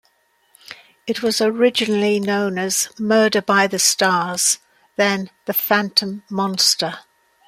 It was originally known as "Murder by the Stars" then "The Phantom Monster".